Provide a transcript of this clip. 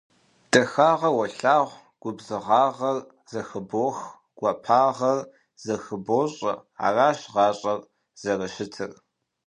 Дахагъэр уолъагъу, губзыгъагъэр зэхыбох, гуапагъэр зэхыбощӏэ. Аращ гъащӏэр зэрыщытыр.